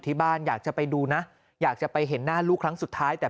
บ้านอยากจะไปดูนะอยากจะไปเห็นหน้าลูกครั้งสุดท้ายแต่